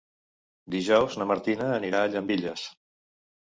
Dijous na Martina anirà a Llambilles.